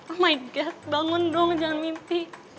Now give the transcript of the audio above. oh my god bangun dong jangan mimpi